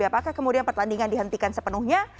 apakah kemudian pertandingan dihentikan sepenuhnya